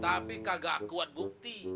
tapi kagak kuat bukti